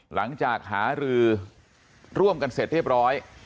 หลังจากหารือร่วมกันเสร็จเรียบร้อย